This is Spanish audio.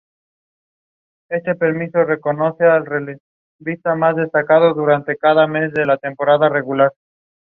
Se compone de dos alas en forma de T rodeado por un foso.